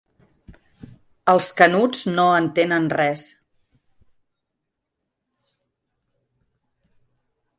Els Canuts no entenen res.